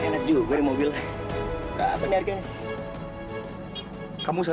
tapi ini sudah jadi